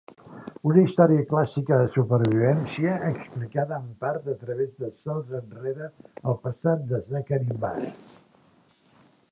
Una història clàssica de supervivència, explicada en part a través de salts enrere al passat de Zachary Bass.